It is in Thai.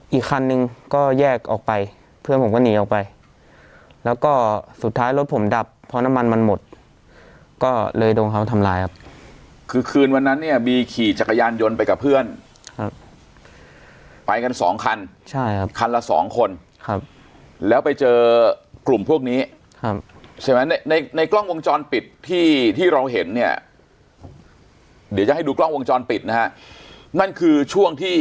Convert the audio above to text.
อีกคันนึงก็แยกออกไปเพื่อนผมก็หนีออกไปแล้วก็สุดท้ายรถผมดับเพราะน้ำมันมันหมดก็เลยโดนเขาทำร้ายครับคือคืนวันนั้นเนี่ยบีขี่จักรยานยนต์ไปกับเพื่อนครับไปกันสองคันใช่ครับคันละสองคนครับแล้วไปเจอกลุ่มพวกนี้ครับใช่ไหมในในกล้องวงจรปิดที่ที่เราเห็นเนี่ยเดี๋ยวจะให้ดูกล้องวงจรปิดนะฮะนั่นคือช่วงที่